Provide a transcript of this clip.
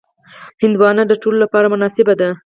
هندوانه د ټولو لپاره مناسبه ده.